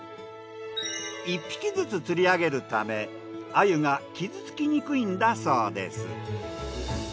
一匹ずつ釣りあげるため鮎が傷つきにくいんだそうです。